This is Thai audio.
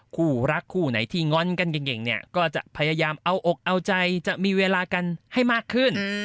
คู่รักคู่ไหนที่ง้อนกันเก่งเนี่ยก็จะพยายามเอาอกเอาใจจะมีเวลากันให้มากขึ้น